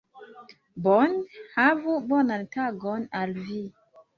Bone, havu bonan tagon al vi